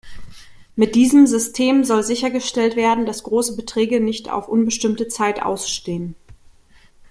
Mit diesem System soll sichergestellt werden, dass große Beträge nicht auf unbestimmte Zeit ausstehen.